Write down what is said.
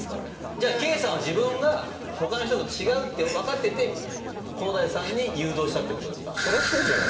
じゃあ圭さんは自分が他の人と違うって分かってて航大さんに誘導したってことですか？